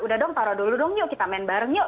udah dong taruh dulu dong yuk kita main bareng yuk